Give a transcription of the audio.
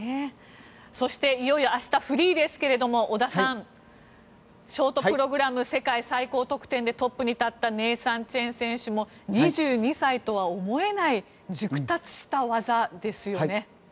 そして、いよいよ明日、フリーですけれども織田さん、ショートプログラム世界最高得点でトップに立ったネイサン・チェン選手も２２歳とは思えない熟達した技ですよね。